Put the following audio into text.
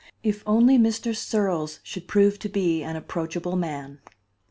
If only Mr. Searles should prove to be an approachable man!